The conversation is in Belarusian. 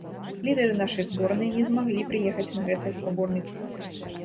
Лідары нашай зборнай не змаглі прыехаць на гэтае спаборніцтва.